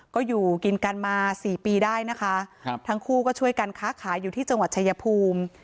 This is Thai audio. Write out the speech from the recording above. ก็อยู่กินกันมาสี่ปีได้นะคะครับทั้งคู่ก็ช่วยกันค้าขายอยู่ที่จังหวัดชายภูมิ